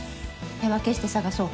手分けして捜そう。